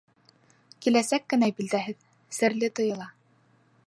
Киләсәк кенә билдәһеҙ, серле тойола.